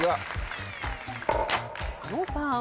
狩野さん。